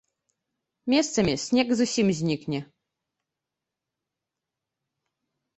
Месцамі снег зусім знікне.